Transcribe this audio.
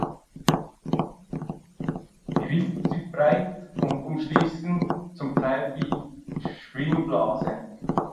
Die Rippen sind breit und umschließen zum Teil die Schwimmblase.